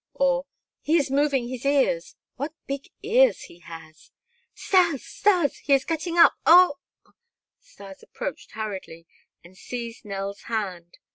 Or: "He is moving his ears. What big ears he has!" "Stas! Stas! He is getting up! Oh!" Stas approached hurriedly and seized Nell's hand.